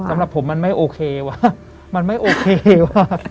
สำหรับผมมันไม่โอเควะมันไม่โอเควะเออเออเอออืม